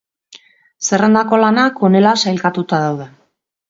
Zerrendako lanak honela sailkatuta daude.